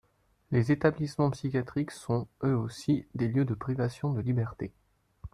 Les établissements psychiatriques sont, eux aussi, des lieux de privation de liberté.